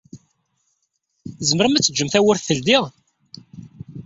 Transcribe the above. Tzemrem ad teǧǧem tawwurt teldi?